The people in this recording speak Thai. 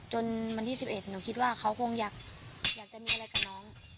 จนวันที่๑๑หนูคิดว่าเขาคงอยากจะมีอะไรกับน้อง